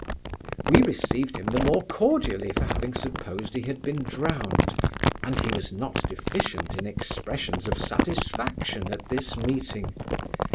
We received him the more cordially for having supposed he had been drowned; and he was not deficient in expressions of satisfaction at this meeting.